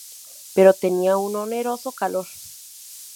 Pero tenía un oneroso calor.